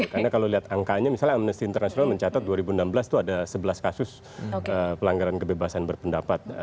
karena kalau lihat angkanya misalnya amnesty international mencatat dua ribu enam belas itu ada sebelas kasus pelanggaran kebebasan berpendapat